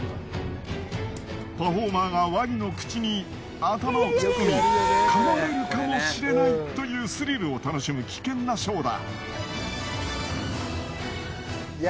パフォーマーがワニの口に頭を突っ込み噛まれるかもしれないというスリルを楽しむ危険なショーだ。